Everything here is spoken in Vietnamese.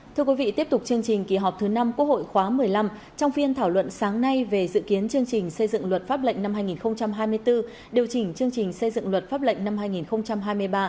thưa quý vị tiếp tục chương trình kỳ họp thứ năm quốc hội khóa một mươi năm trong phiên thảo luận sáng nay về dự kiến chương trình xây dựng luật pháp lệnh năm hai nghìn hai mươi bốn điều chỉnh chương trình xây dựng luật pháp lệnh năm hai nghìn hai mươi ba